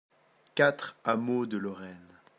quatre hameau de Lorraine